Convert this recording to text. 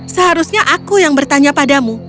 seharusnya aku yang bertanya padamu